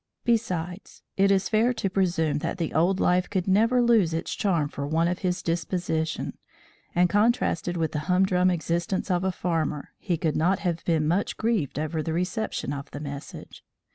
Besides, it is fair to presume that the old life could never lose its charm for one of his disposition, and, contrasted with the humdrum existence of a farmer, he could not have been much grieved over the reception of the message.